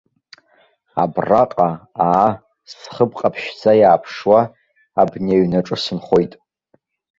Абраҟа, аа, зхыб ҟаԥшьӡа иааԥшуа, абни аҩнаҿы сынхоит.